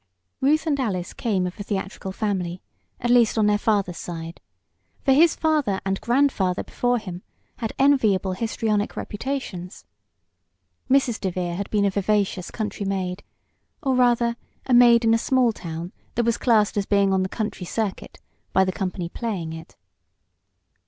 Ruth and Alice came of a theatrical family at least, on their father's side for his father and grandfather before him had enviable histrionic reputations. Mrs. DeVere had been a vivacious country maid or, rather, a maid in a small town that was classed as being on the "country" circuit by the company playing it.